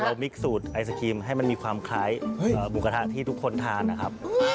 มิกสูตรไอศครีมให้มันมีความคล้ายหมูกระทะที่ทุกคนทานนะครับ